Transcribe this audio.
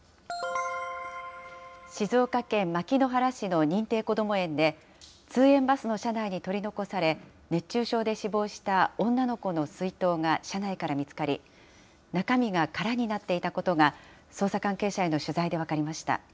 静岡県牧之原市の認定こども園で、通園バスの車内に取り残され、熱中症で死亡した女の子の水筒が車内から見つかり、中身が空になっていたことが捜査関係者への取材で分かりました。